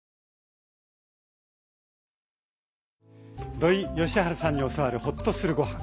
土井善晴さんに教わるホッとするごはん。